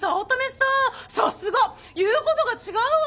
さすが言うことが違うわ。